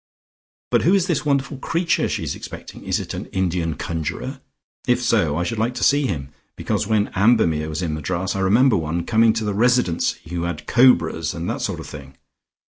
But who is this wonderful creature she is expecting? Is it an Indian conjurer? If so, I should like to see him, because when Ambermere was in Madras I remember one coming to the Residency who had cobras and that sort of thing.